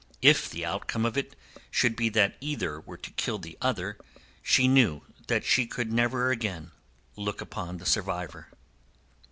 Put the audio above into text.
If the outcome of it should be that either were to kill the other, she knew that she could never again look upon the survivor.